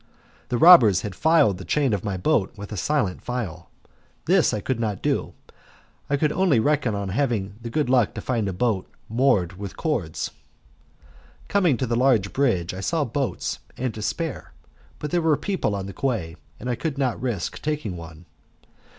The robbers had filed the chain of my boat with a silent file; this I could not do, and I could only reckon on having the good luck to find a boat moored with cords. Coming to the large bridge I saw boats and to spare, but there were people on the quay, and I would not risk taking one.